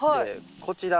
こちら